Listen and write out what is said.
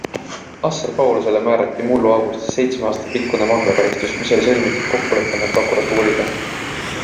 Assar Paulusele määrati mullu augustis seitsme aasta pikkune vanglakaristus, mis oli sõlmitud kokkuleppena prokuratuuriga.